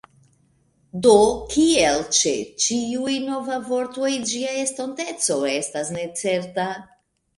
Do, kiel ĉe ĉiuj novaj vortoj, ĝia estonteco estas necerta.